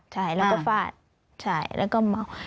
ใช่แล้วก็ฟาดใช่แล้วก็เมา